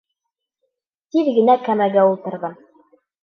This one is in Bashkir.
Тиҙ генә кәмәгә ултырҙым.